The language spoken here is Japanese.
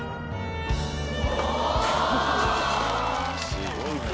すごいな。